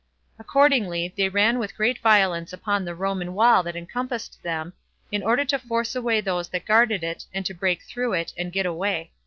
Accordingly, they ran with great violence upon the Roman wall that encompassed them, in order to force away those that guarded it, and to break through it, and get away.